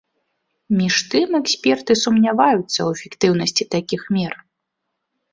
Між тым эксперты сумняваюцца ў эфектыўнасці такіх мер.